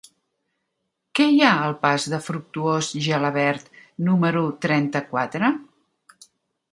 Què hi ha al pas de Fructuós Gelabert número trenta-quatre?